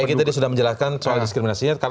pak egy tadi sudah menjelaskan soal diskriminasinya